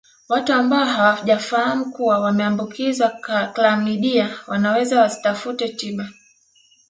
Watu ambao hawajafahamu kuwa wameambukizwa klamidia wanaweza wasitafute tiba